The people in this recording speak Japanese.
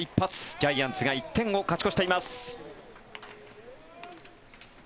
ジャイアンツが１点を勝ち越しています。